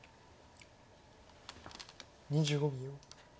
２５秒。